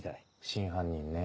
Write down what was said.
真犯人ね。